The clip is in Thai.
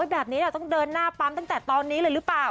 แบบนี้ต้องเดินหน้าปั๊มตั้งแต่ตอนนี้เลยหรือเปล่า